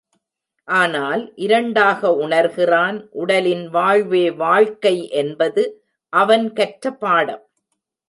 ஆனால், இரண்டாக உணர்கிறான், உடலின் வாழ்வே வாழ்க்கை என்பது அவன் கற்ற பாடம்.